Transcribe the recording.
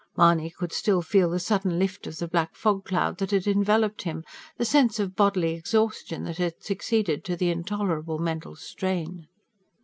Mahony could still feel the sudden lift of the black fog cloud that had enveloped him the sense of bodily exhaustion that had succeeded to the intolerable mental strain.